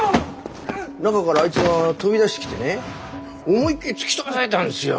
中からあいつが飛び出してきてね思いっきり突き飛ばされたんですよ。